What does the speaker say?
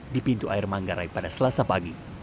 di pintu air manggarai pada selasa pagi